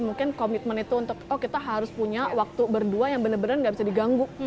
mungkin komitmen itu untuk oh kita harus punya waktu berdua yang bener bener gak bisa diganggu